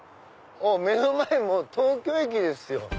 おっ目の前もう東京駅ですよ。